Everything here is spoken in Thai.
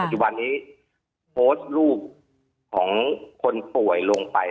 จุบันนี้โพสต์รูปของคนป่วยลงไป